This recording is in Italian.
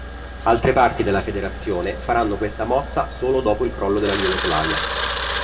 Altre parti della Federazione faranno questa mossa solo dopo il crollo della Jugoslavia.